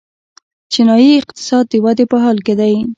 چینايي اقتصاد د ودې په حال کې دی.